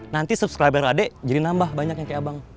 nanti subscriber adek jadi nambah banyak yang kayak abang